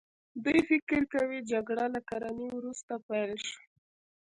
دوی فکر کوي جګړه له کرنې وروسته پیل شوه.